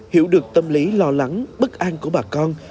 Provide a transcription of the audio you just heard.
hiểu được tâm lý lo lắng bất an của bà con